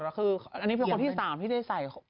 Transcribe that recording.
เหมือนตามปกติอันนี้เป็นคนที่สามที่ได้ใส่